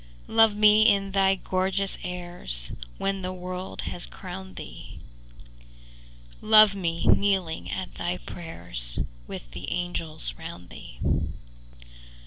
VIII Love me in thy gorgeous airs, When the world has crowned thee; Love me, kneeling at thy prayers, With the angels round thee.